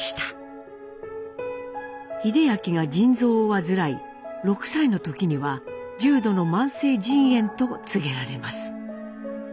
英明が腎臓を患い６歳の時には重度の慢性腎炎と告げられます。